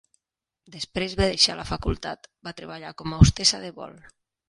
Després de deixar la facultat, va treballar com a hostessa de vol.